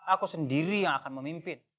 aku sendiri yang akan memimpin